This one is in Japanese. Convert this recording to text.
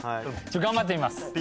頑張ってみます。